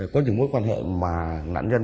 có những mối quan hệ mà nạn nhân